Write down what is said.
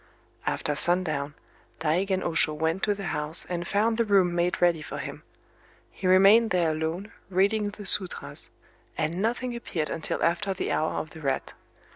After sundown, Daigen Oshō went to the house, and found the room made ready for him. He remained there alone, reading the sûtras; and nothing appeared until after the Hour of the Rat.